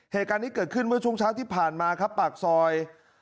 เหตุการณ์นี้เกิดขึ้นเมื่อช่วงเช้าที่ผ่านมาครับปากซอย